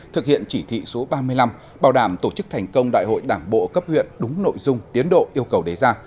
thực hiện chỉ thị số ba mươi năm bảo đảm tổ chức thành công đại hội đảng bộ cấp huyện đúng nội dung tiến độ yêu cầu đề ra